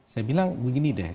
saya bilang begini deh